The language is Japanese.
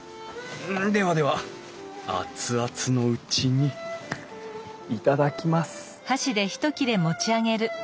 ではでは熱々のうちに頂きます。